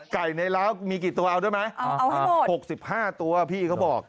ไก่ในร้าวมีกี่ตัวเอาด้วยไหมเอาเอาให้หมดหกสิบห้าตัวพี่เขาบอก